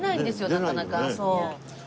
なかなか。